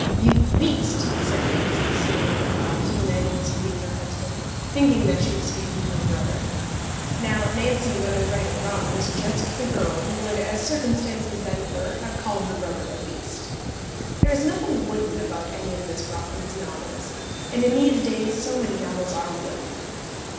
"You beast!" said Nancy, sitting on the wall, to the man who was to be her husband, thinking that she was speaking to her brother. Now Nancy, whether right or wrong, was just the girl who would, as circumstances then were, have called her brother a beast. There is nothing wooden about any of Miss Broughton's novels; and in these days so many novels are wooden!